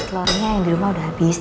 telurnya yang di rumah udah habis